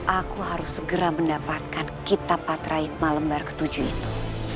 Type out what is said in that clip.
aku harus segera mendapatkan kitab patraikma lembar ke tujuh itu